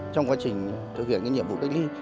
trong quá trình thực hiện nhiệm vụ cách ly